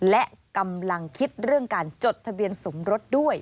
และกำลังคิดเรื่องการจดทะเบียนสมรสด้วย